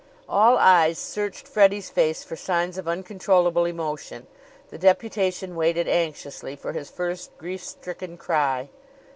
All eyes searched Freddie's face for signs of uncontrollable emotion. The deputation waited anxiously for his first grief stricken cry.